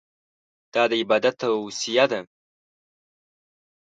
دا د عبادت توصیه ده.